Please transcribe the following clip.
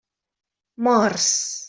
Morts.